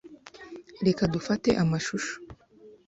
Reka dufate amashusho.